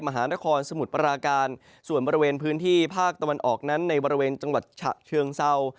มหานครสมุทรปราการส่วนบริเวณพื้นที่ภาคตะวันออกนั้นในบริเวณจังหวัดฉะเชิงเศร้า